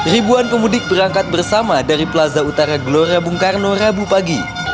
ribuan pemudik berangkat bersama dari plaza utara gelora bung karno rabu pagi